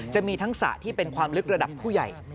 จะมีทั้งสระที่เป็นความลึกระดับผู้ใหญ่